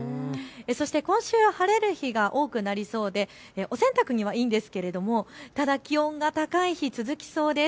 そして今週、晴れる日が多くなりそうでお洗濯にはいいんですけれどもただ気温が高い日、続きそうです。